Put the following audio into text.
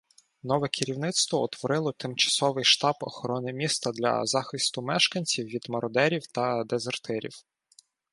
Нове керівництво утворило Тимчасовий штаб охорони міста для захисту мешканців від мародерів та дезертирів.